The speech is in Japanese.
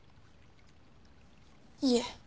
いえ。